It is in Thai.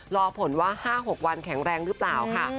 รอผลว่า๕๖วันแข็งแรงหรือเปล่าค่ะ